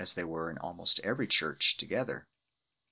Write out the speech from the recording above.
they were in almost every church together.